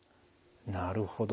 なるほど。